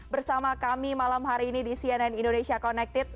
bersama kami malam hari ini di cnn indonesia connected